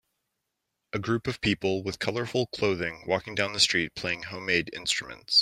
A group of people with colorful clothing walking down the street playing homemade instruments.